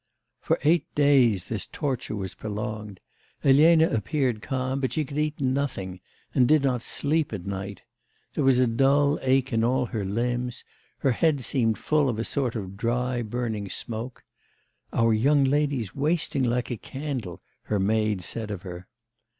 For eight days this torture was prolonged. Elena appeared calm; but she could eat nothing, and did not sleep at night. There was a dull ache in all her limbs; her head seemed full of a sort of dry burning smoke. 'Our young lady's wasting like a candle,' her maid said of her.